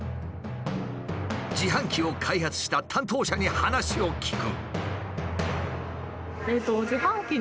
自販機を開発した担当者に話を聞く。